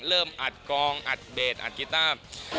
เริ่มอัดกองอัดเดทอัดกีต้า